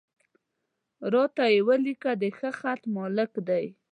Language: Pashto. را ته یې ولیکه، د ښه خط مالک دی.